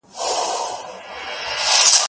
زه پرون موسيقي واورېده!؟